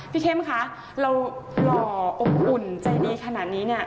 พี่เข้มคะเราหล่ออบอุ่นใจดีขนาดนี้